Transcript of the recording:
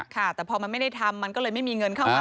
ค่ะแต่พอมันไม่ได้ทำมันก็เลยไม่มีเงินเข้ามา